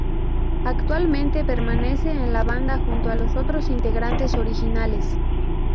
Actualmente permanece en la banda junto a los otros integrantes originales.